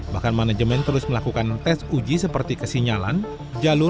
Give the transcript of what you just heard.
bahkan manajemen terus melakukan tes uji seperti kesinyalan jalur